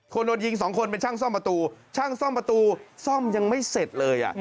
คนโดนยิงสองคนเป็นช่างซ่อมประตูช่างซ่อมประตูซ่อมยังไม่เสร็จเลย